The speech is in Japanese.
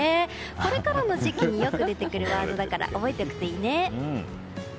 これからの時期によく出てくるワードだから覚えておくといいね。